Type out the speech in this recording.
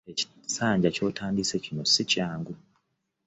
Ekisanja ky'otandise kino si kyangu.